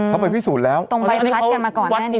เขาไปพิสูจน์แล้วตรงใบพัดกันมาก่อนหน้านี้